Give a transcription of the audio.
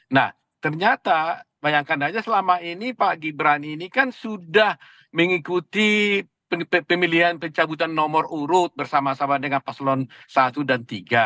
nah ternyata bayangkan aja selama ini pak gibran ini kan sudah mengikuti pemilihan pencabutan nomor urut bersama sama dengan paslon satu dan tiga